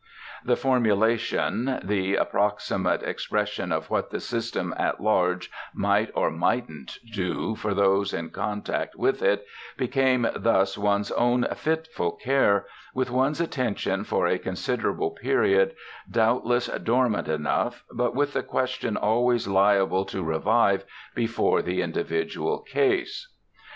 The formulation, the approximate expression of what the system at large might or mightn't do for those in contact with it, became thus one's own fitful care, with one's attention for a considerable period doubtless dormant enough, but with the questions always liable to revive before the individual case.